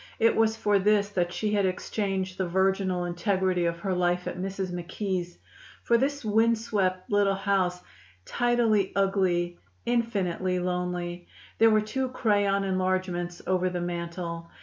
It was for this that she had exchanged the virginal integrity of her life at Mrs. McKee's for this wind swept little house, tidily ugly, infinitely lonely. There were two crayon enlargements over the mantel.